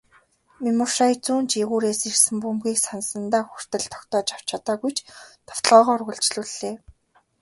Мемушай зүүн жигүүрээс ирсэн бөмбөгийг санаандаа хүртэл тогтоож авч чадаагүй ч довтолгоогоо үргэлжлүүллээ.